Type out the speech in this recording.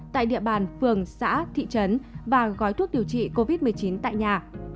tại địa bàn phường xã thị trấn và gói thuốc điều trị covid một mươi chín tại nhà